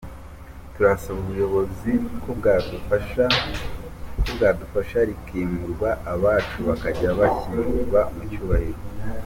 Turasaba ubuyobozi ko bwadufasha rikimurwa abacu bakajya bashyingurwa mu cyubahiro.